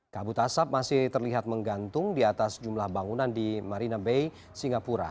kabut asap masih terlihat menggantung di atas jumlah bangunan di marina bay singapura